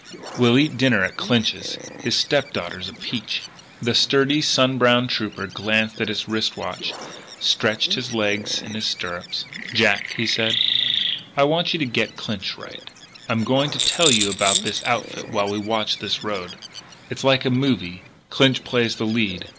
We'll eat dinner at Clinch's. His stepdaughter is a peach." The sturdy, sun browned trooper glanced at his wrist watch, stretched his legs in his stirrups. "Jack," he said, "I want you to get Clinch right, and I'm going to tell you about his outfit while we watch this road. It's like a movie. Clinch plays the lead.